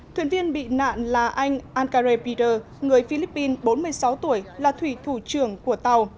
thuyền viên bị nạn là anh ankaray peter người philippines bốn mươi sáu tuổi là thủy thủ trưởng của tàu